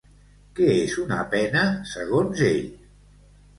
Què és una pena, segons ell?